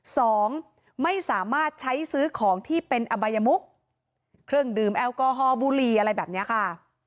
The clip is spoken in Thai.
สองไม่สามารถใช้ซื้อของที่เป็นอบายมุกเครื่องดื่มแอลกอฮอลบุรีอะไรแบบนี้ค่ะ